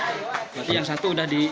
berarti yang satu sudah di